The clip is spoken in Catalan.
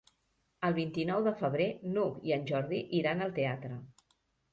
El vint-i-nou de febrer n'Hug i en Jordi iran al teatre.